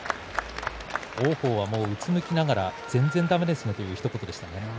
王鵬はうつむきながら全然だめですねとひと言でしたね。